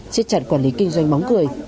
xét chặt quản lý kinh doanh bóng cười